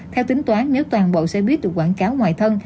theo tính toán nếu toàn bộ xoay biếc được quảng cáo ngoài thân